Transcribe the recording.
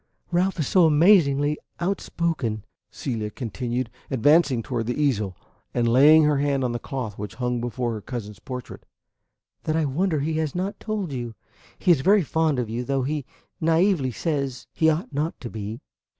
"Ralph is so amazingly outspoken," Celia continued, advancing toward the easel and laying her hand on the cloth which hung before her cousin's portrait, "that I wonder he has not told you. He is very fond of you, though, he naively says, he ought not to be."